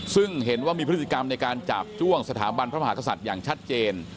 ซึ่งเห็นว่ามีพฤติกรรมในการจาบจ้วงสถาบันพระมหากษัตริย์อย่างชัดเจน